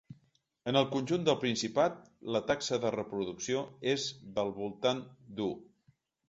En el conjunt del Principat, la taxa de reproducció és del voltant d’u.